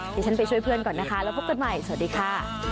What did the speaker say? เดี๋ยวฉันไปช่วยเพื่อนก่อนนะคะแล้วพบกันใหม่สวัสดีค่ะ